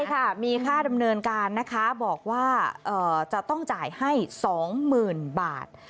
ใช่ค่ะมีค่าดำเนินการนะคะบอกว่าจะต้องจ่ายให้๒๐๐๐บาท